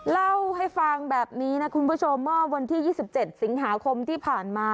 เล่าให้ฟังแบบนี้นะคุณผู้ชมเมื่อวันที่๒๗สิงหาคมที่ผ่านมา